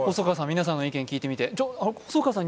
皆さんの意見聞いてみていや